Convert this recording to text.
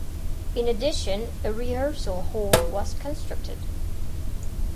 In addition, a rehearsal hall was constructed.